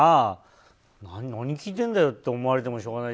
何聞いてんだよって思われてもしょうがない